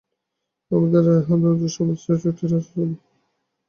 আমাদের আহারবিহার ধনজন সমস্তই এই ভক্তিতে ঠাসা ছিল, কোথাও ফাঁক ছিল না।